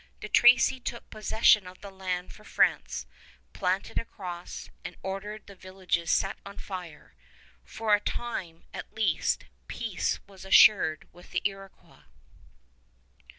De Tracy took possession of the land for France, planted a cross, and ordered the villages set on fire. For a time, at least, peace was assured with the Iroquois.